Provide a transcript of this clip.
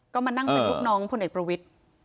ก็มานั่งในรูปน้องพลเอกประวิทย์